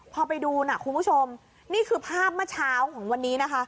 พอไปดูนะคุณผู้ชมนี่คือภาพเมื่อเช้าของวันนี้นะคะ